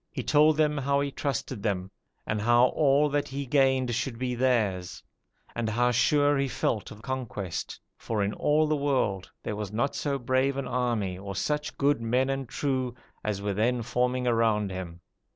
He told them how he trusted them, and how all that he gained should be theirs; and how sure he felt of conquest, for in all the world there was not so brave an army or such good men and true as were then forming around him.